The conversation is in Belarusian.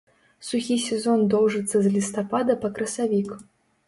Сухі сезон доўжыцца з лістапада па красавік.